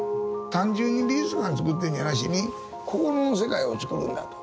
単純に美術館つくってんじゃなしに心の世界をつくるんだと。